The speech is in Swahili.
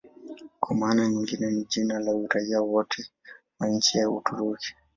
Kwa maana nyingine ni jina la raia wote wa nchi ya Uturuki.